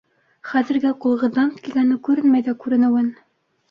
— Хәҙергә ҡулығыҙҙан килгәне күренмәй ҙә күренеүен.